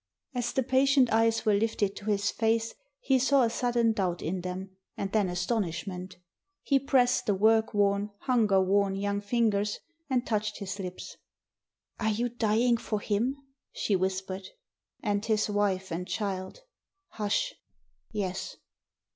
As the patient eyes were lifted to his face, he saw a sudden doubt in them, and then astonishment. He pressed the work worn, hunger worn young fingers, and touched his lips. "Are you dying for him?" she whispered. "And his wife and child. Hush! Yes."